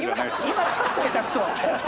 今ちょっと下手くそだったよね。